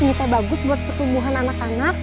ini teh bagus buat pertumbuhan anak anak